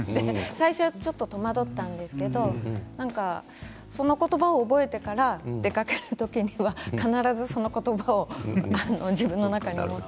最初はちょっと戸惑ったんですけれどその言葉を覚えてから出かける時には必ずその言葉を自分の中に持って。